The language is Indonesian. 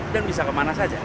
dan bisa kemana saja